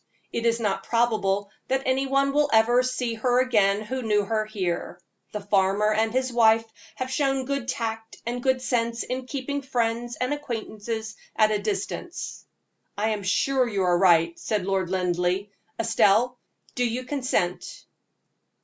It is not probable that any one will ever see her again who knew her here. The farmer and his wife have shown good tact and good sense in keeping friends and acquaintances at a distance." "I am sure you are right," said Lord Linleigh. "Estelle, do you consent?"